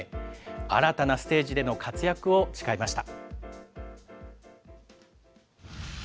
新たなステージでの活躍を誓いました。